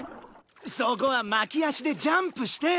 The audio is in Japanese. そこは巻き足でジャンプして。